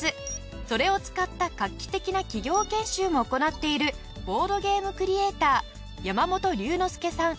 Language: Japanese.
それを使った画期的な企業研修も行っているボードゲームクリエイター山本龍之介さん２８歳。